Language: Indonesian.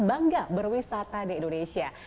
bangga berwisata di indonesia